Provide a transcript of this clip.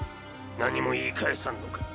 何も言い返さんのか？